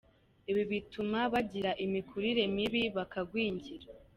Ibi bituma bagira imikurire mibi bakagwingira.